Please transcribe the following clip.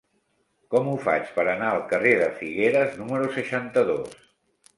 Com ho faig per anar al carrer de Figueres número seixanta-dos?